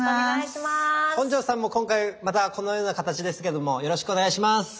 本上さんも今回またこのような形ですけどもよろしくお願いします。